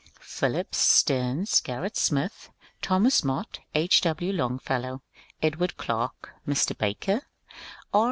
Phillips, Steams, Gerrit Smith, Thomas Mott, H. W. Longfellow, Edward Clarke, Mr. Barker, R.